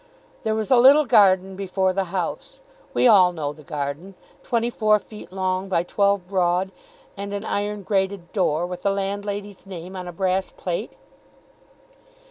There was a little garden before the house. We all know the garden; twenty four feet long, by twelve broad; and an iron grated door, with the landlady's name on a brass plate.